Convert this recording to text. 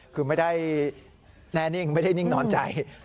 คือไม่ได้แน่นิ่งไม่ได้นิ่งนอนใจ